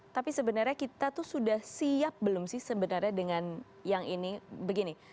tapi sebenarnya kita tuh sudah siap belum sih sebenarnya dengan yang ini begini